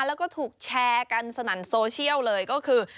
แล้วก็ถูกแชร์กันสนั่นโซเชียลเลยก็คือ